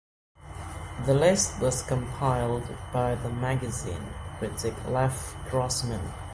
The list was compiled by "Time Magazine" critic Lev Grossman.